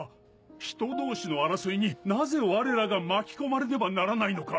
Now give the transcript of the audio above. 人同士の争いになぜ我らが巻き込まれねばならないのか。